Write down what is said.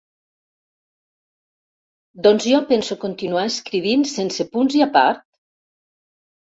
Doncs jo penso continuar escrivint sense punts i a part?